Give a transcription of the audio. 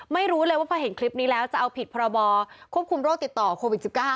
ไม่รู้เลยว่าพอเห็นคลิปนี้แล้วจะเอาผิดพรบควบคุมโรคติดต่อโควิด๑๙